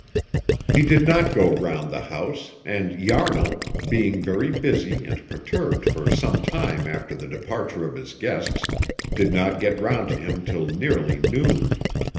He did not go round the house, and Yarnall, being very busy and perturbed for some time after the departure of his guests, did not get round to him till nearly noon.